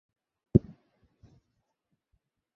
তারপর আমি মসজিদে বসেছিলাম।